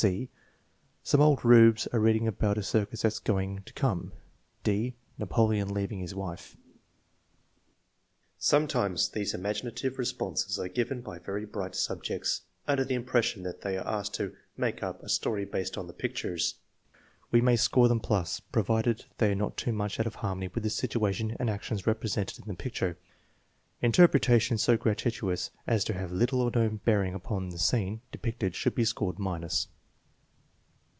(c) "Some old Rubes are reading about a circus that's going to come." (<Z) "Napoleon leaving his wife." TEST NO. XH, 7 305 Sometimes these imaginative responses are given by very bright subjects, under the impression that they are asked to " make up " a story based on the picture. We may score them plus, provided they are not too much out of harmony with the situation and actions represented in the picture. Interpretations so gratuitous as to have little or no bearing upon the scene depicted should be scored minus.